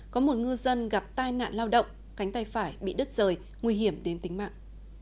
có một ngư dân gặp tai nạn lao động cánh tay phải bị đứt rời nguy hiểm đến tính mạng